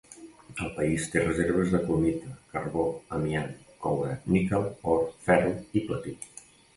El país té reserves de cromita, carbó, amiant, coure, níquel, or, ferro i platí.